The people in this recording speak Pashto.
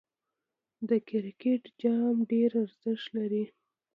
د کرکټ جام ډېر ارزښت لري.